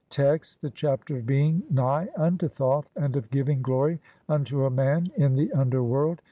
Text : (1) The Chapter of being nigh unto Thoth and OF GIVING GLORY UNTO A iMAN IN THE UNDERWORLD.